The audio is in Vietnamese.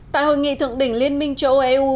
tại hội nghị thượng đỉnh liên minh châu âu eu